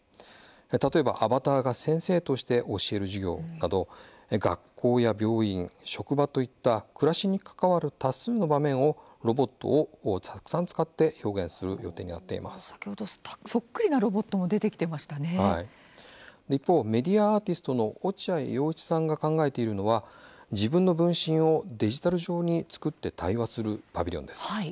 例えばアバターが先生として教える授業など、学校や病院職場といった暮らしに関わる多数の場面でロボットをたくさん使ってそっくりなロボットも一方メディアアーティストの落合陽一さんが考えているのは自分の分身をデジタル上に作って対話するパビリオンです。